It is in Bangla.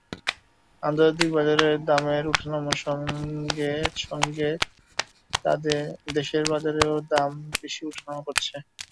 আন্তর্জাতিক বাজারের দামের ওঠানামার সঙ্গে সঙ্গে দেশের বাজারেও দাম ওঠানামা করছে।